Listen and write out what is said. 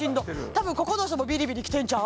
多分ここの人もビリビリきてんちゃう？